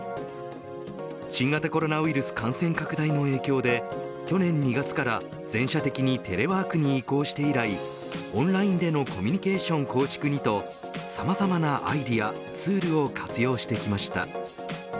新型コロナウイルス感染拡大の影響で去年２月から全社的にテレワークに移行して以来オンラインでのコミュニケーション構築にとさまざまなアイデアツールを活用してきました。